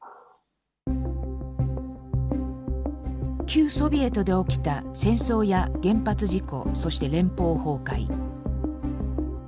旧ソビエトで起きた戦争や原発事故そして連邦崩壊。